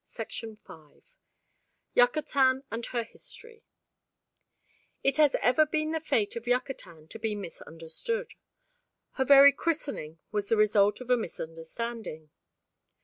CHAPTER III YUCATAN AND HER HISTORY It has ever been the fate of Yucatan to be misunderstood. Her very christening was the result of a misunderstanding.